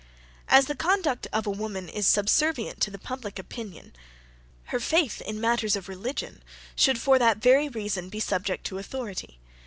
"As the conduct of a woman is subservient to the public opinion, her faith in matters of religion, should for that very reason, be subject to authority.